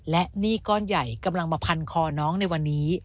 และหนี้ก้อนใหญ่กำลังมาพันคอน้องในวันนี้